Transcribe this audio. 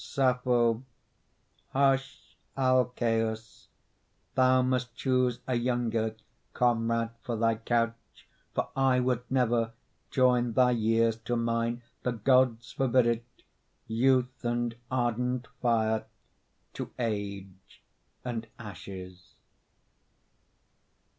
SAPPHO Hush, Alcæus! thou must choose a younger Comrade for thy couch, for I would never Join thy years to mine the Gods forbid it Youth and ardent fire to age and ashes.